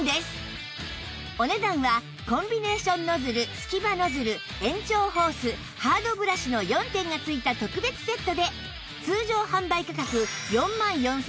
お値段はコンビネーションノズル隙間ノズル延長ホースハードブラシの４点が付いた特別セットで通常販売価格４万４８００円のところ